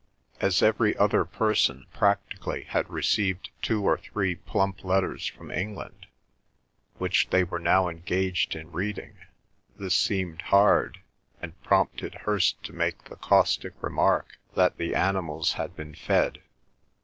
As every other person, practically, had received two or three plump letters from England, which they were now engaged in reading, this seemed hard, and prompted Hirst to make the caustic remark that the animals had been fed.